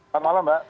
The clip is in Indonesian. selamat malam mbak